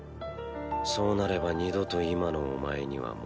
そうなれば二度と今のお前には戻らない。